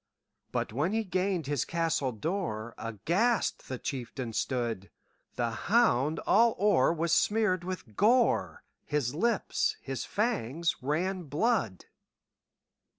But, when he gained his castle door, Aghast the chieftain stood; The hound all o'er was smeared with gore, His lips, his fangs, ran blood.